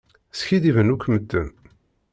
Skidiben akk medden.